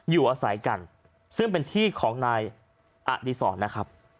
อยู่อาศัยกันซึ่งเป็นที่ของนายอดีศรนะครับ